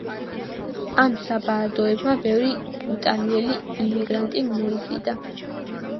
ამ საბადოებმა ბევრი იტალიელი იმიგრანტი მოიზიდა.